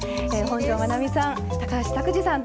本上まなみさん